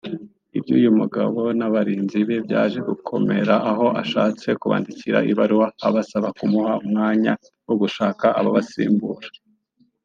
Iby’uyu mugabo n’abarinzi be byaje gukomera aho ashatse kubandikira ibaruwa abasaba kumuha umwanya wo gushaka ababasimbura